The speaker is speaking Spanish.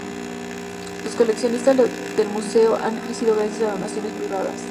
Las colecciones del museo han crecido gracias a donaciones privadas.